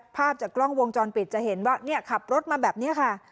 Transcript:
ภาพจากกล้องวงจรปิดจะเห็นว่าขับรถมาแบบนี้ค่ะ